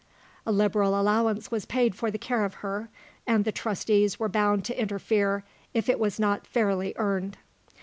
A liberal allowance was paid for the care of her; and the trustees were bound to interfere if it was not fairly earned.